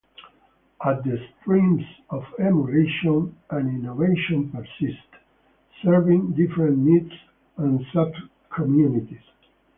All the streams of emulation and innovation persist, serving different needs and sub-communities.